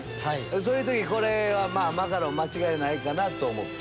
そういう時マカロン間違いないかなと思って。